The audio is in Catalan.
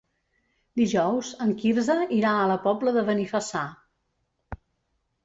Dijous en Quirze irà a la Pobla de Benifassà.